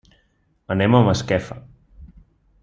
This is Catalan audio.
Anem a Masquefa.